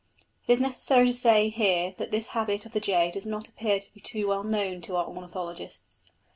It is necessary to say here that this habit of the jay does not appear to be too well known to our ornithologists.